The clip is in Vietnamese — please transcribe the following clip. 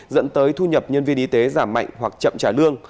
dẫn tới thu nhập nhân viên y tế giảm mạnh hoặc chậm trả lương